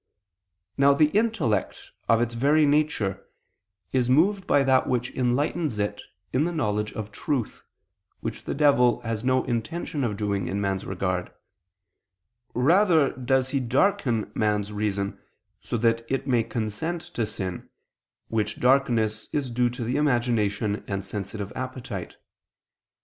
Now the intellect, of its very nature, is moved by that which enlightens it in the knowledge of truth, which the devil has no intention of doing in man's regard; rather does he darken man's reason so that it may consent to sin, which darkness is due to the imagination and sensitive appetite.